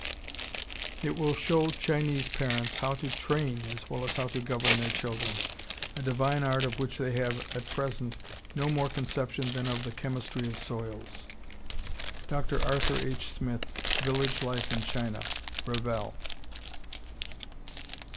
It will show Chinese parents how to train as well as how to govern their children a divine art of which they have at present no more conception than of the chemistry of soils. (Dr. Arthur H. Smith, "Village Life in China." Revell.)